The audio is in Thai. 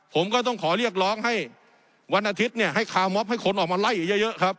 ผมก็ต้องขอเรียกร้องวันอาทิตย์ให้คามอพให้คนออกมาไล่อีกเยอะ